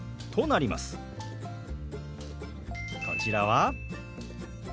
こちらは。